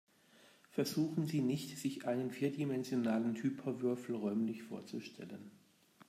Versuchen Sie nicht, sich einen vierdimensionalen Hyperwürfel räumlich vorzustellen.